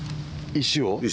石を。